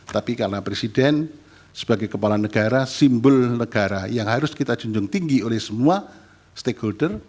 tapi karena presiden sebagai kepala negara simbol negara yang harus kita junjung tinggi oleh semua stakeholder